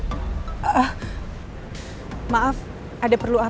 cuma buka khas jaringan